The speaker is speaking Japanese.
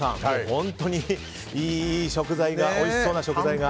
本当にいい食材、おいしそうな食材が。